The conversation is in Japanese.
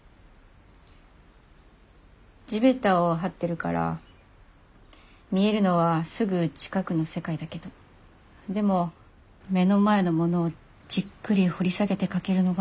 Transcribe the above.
地べたをはってるから見えるのはすぐ近くの世界だけどでも目の前のものをじっくり掘り下げて書けるのが二折。